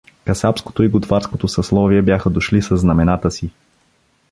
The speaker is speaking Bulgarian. Касапското и готварското съсловие бяха дошли със знамената си.